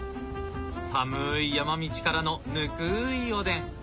寒い山道からのぬくいおでん。